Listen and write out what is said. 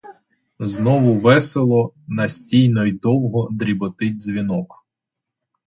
Знову весело, настійно й довго дріботить дзвінок.